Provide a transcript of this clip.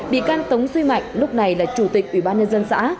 bị can tống duy mạnh lúc này là chủ tịch ủy ban nhân dân xã